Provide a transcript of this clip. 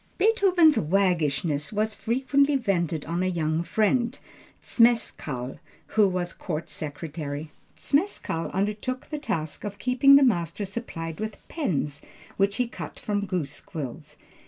Beethoven's waggishness was frequently vented on a young friend, Zmeskall, who was court secretary. Zmeskall undertook the task of keeping the master supplied with pens, which he cut from goose quills.